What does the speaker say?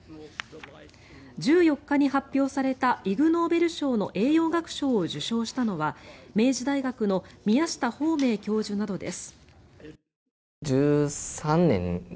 １４日に発表されたイグノーベル賞の栄養学賞を受賞したのは明治大学の宮下芳明教授などです。